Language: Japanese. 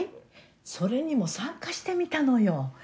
それにも参加してみたのよ。